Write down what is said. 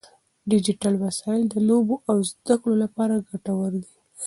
ډیجیټل وسایل د لوبو او زده کړو لپاره ګټور دي.